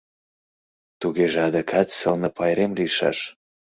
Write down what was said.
Тугеже адакат сылне пайрем лийшаш.